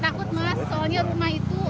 takut malah soalnya rumah itu